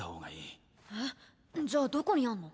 えじゃあどこにあんの？